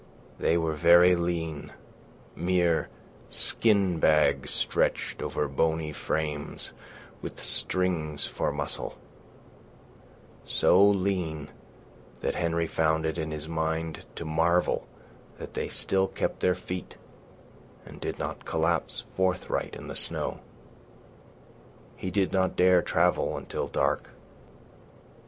They were very lean, mere skin bags stretched over bony frames, with strings for muscles—so lean that Henry found it in his mind to marvel that they still kept their feet and did not collapse forthright in the snow. He did not dare travel until dark.